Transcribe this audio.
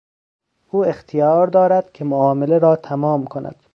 او اختیار دارد که معامله را تمام کند.